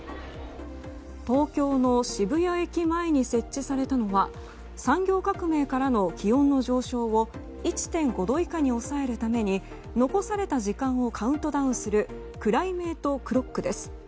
東京の渋谷駅前に設置されたのは産業革命からの気温の上昇を１．５度以下に抑えるために残された時間をカウントダウンするＣｌｉｍａｔｅＣｌｏｃｋです。